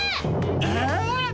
え？